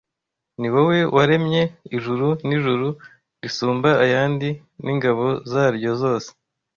Ni wowe waremye ijuru n’ijuru risumba ayandi n’ingabo zaryo zose